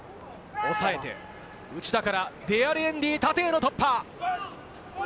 おさえて、内田からデアリエンディ、縦への突破。